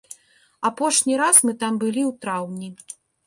Апошні раз мы там былі ў траўні.